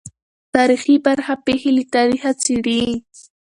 تاریخي برخه پېښې له تاریخه څېړي.